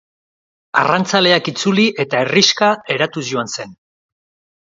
Arrantzaleak itzuli eta herrixka eratuz joan zen.